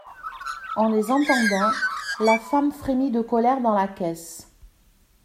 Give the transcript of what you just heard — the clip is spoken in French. En les entendant, la femme frémit de colère dans la caisse.